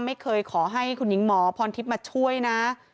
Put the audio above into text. ขอให้คุณหญิงหมอพรทิพย์มาช่วยนะ